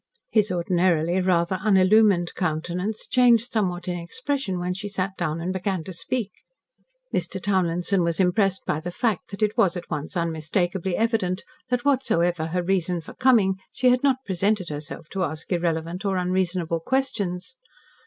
His ordinarily rather unillumined countenance changed somewhat in expression when she sat down and began to speak. Mr. Townlinson was impressed by the fact that it was at once unmistakably evident that whatsoever her reason for coming, she had not presented herself to ask irrelevant or unreasonable questions.